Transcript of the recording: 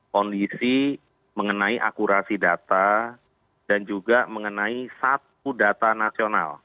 kondisi mengenai akurasi data dan juga mengenai satu data nasional